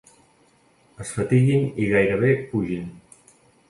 Es fatiguin i gairebé pugin.